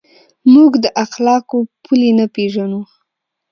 موږ د اخلاقو پولې نه پېژنو.